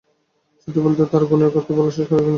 সত্যি বলতে কী, তাঁর গুণের কথা বলে শেষ করা যাবে না।